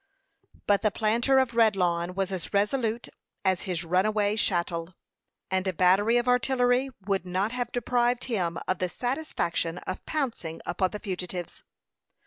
But the planter of Redlawn was as resolute as his runaway chattel, and a battery of artillery would not have deprived him of the satisfaction of pouncing upon the fugitives.